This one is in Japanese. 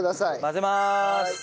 混ぜます。